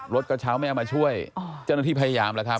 กระเช้าไม่เอามาช่วยเจ้าหน้าที่พยายามแล้วครับ